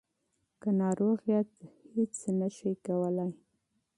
که ناروغ یاست هیڅ نشئ کولای.